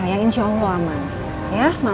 ini kotak apa ya